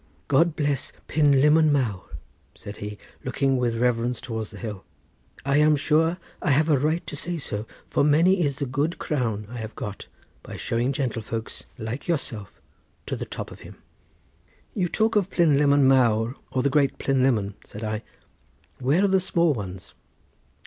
God bless Pumlummon Mawr!" said he, looking with reverence towards the hill. "I am sure I have a right to say so, for many is the good crown I have got by showing gentlefolks, like yourself, to the top of him." "You talk of Plynlimmon Mawr, or the great Plynlimmon," said I; "where are the small ones?"